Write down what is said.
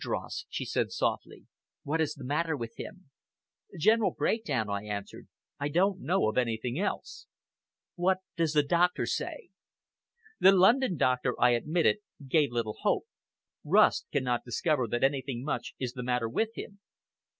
"Hardross," she said softly, "what is the matter with him?" "General breakdown," I answered; "I do not know of anything else." "What does the doctor say?" "The London doctor," I admitted, "gave little hope. Rust cannot discover that anything much is the matter with him."